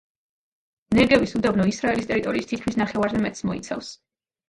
ნეგევის უდაბნო ისრაელის ტერიტორიის თითქმის ნახევარზე მეტს მოიცავს.